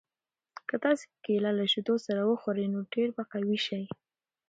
که تاسي کیله له شیدو سره وخورئ نو ډېر به قوي شئ.